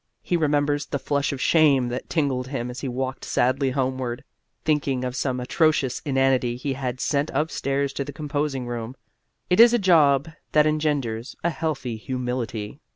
He remembers the flush of shame that tingled him as he walked sadly homeward, thinking of some atrocious inanity he had sent upstairs to the composing room. It is a job that engenders a healthy humility.